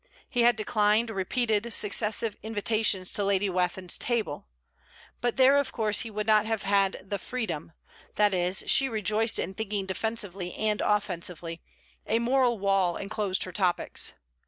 He had declined repeated, successive invitations to Lady Wathin's table. But there of course he would not have had 'the freedom': that is, she rejoiced in thinking defensively and offensively, a moral wall enclosed her topics.